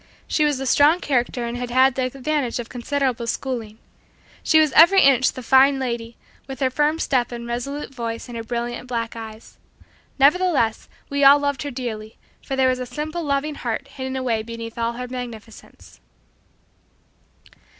She was a strong character and had had the advantage of considerable schooling. She was every inch "the fine lady," with her firm step and resolute voice and her brilliant black eyes. Nevertheless, we all loved her dearly, for there was a simple loving heart hidden away beneath all her magnificence.